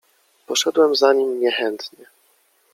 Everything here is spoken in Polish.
"Poszedłem za nim niechętnie."